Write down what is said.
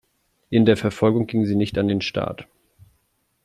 In der Verfolgung ging sie nicht an den Start.